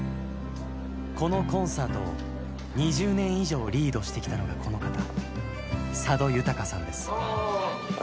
このコンサートを２０年以上リードしてきたのがこの方佐渡裕さんですああ。